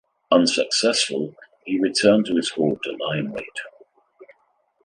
Unsuccessful, he returned to his hoard to lie in wait.